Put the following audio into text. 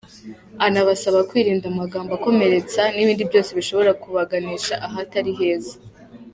Anabasaba kwirinda amagambo akomeretsa n’ibindi byose bishobora kubaganisha ahatari heza.